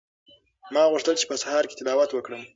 ما غوښتل چې په سهار کې تلاوت وکړم.